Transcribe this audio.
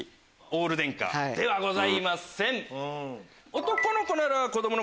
オール電化ではございません。